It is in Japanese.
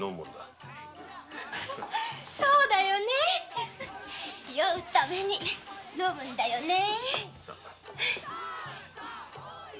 そうよね酔うために飲むんだよね